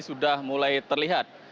sudah mulai terlihat